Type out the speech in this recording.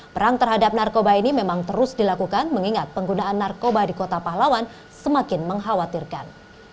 perang terhadap narkoba ini memang terus dilakukan mengingat penggunaan narkoba di kota pahlawan semakin mengkhawatirkan